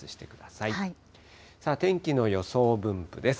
さあ、天気の予想分布です。